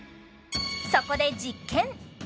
そこで実験